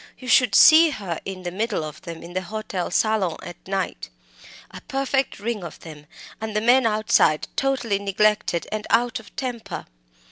You should see her in the middle of them in the hotel salon at night a perfect ring of them and the men outside, totally neglected, and out of temper.